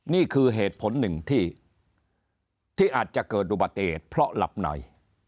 นี่คือเหตุผลหนึ่งที่อาจจะเกิดอุบัติเหตุเพราะหลับใน